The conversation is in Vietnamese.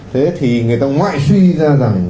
thế thì người ta ngoại suy ra rằng